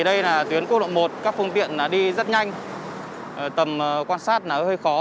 đây là tuyến quốc lộ một các phương tiện đi rất nhanh tầm quan sát là hơi khó